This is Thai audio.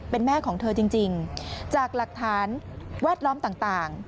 เป็นแม่ของเธอจริงจากหลักฐานแวดล้อมต่าง